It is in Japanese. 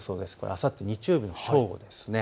あさって日曜日の正午です。